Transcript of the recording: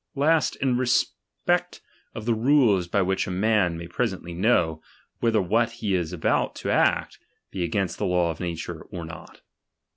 Lastly, in respect of the rule by which a man may pre sently know, whether what he is about to act, be against the law of nature, or not.